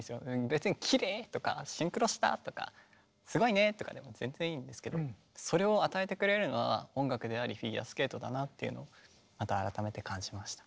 別に「きれい！」とか「シンクロした！」とか「すごいね！」とかでも全然いいんですけどそれを与えてくれるのは音楽でありフィギュアスケートだなっていうのをまた改めて感じました。